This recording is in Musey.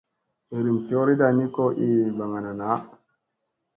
Iirim coriɗa ni ko ii ɓagana na.